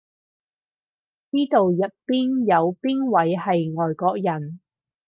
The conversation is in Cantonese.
呢度入邊有邊位係外國人？